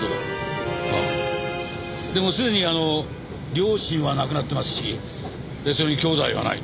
でもすでに両親は亡くなってますしそれに兄弟がない。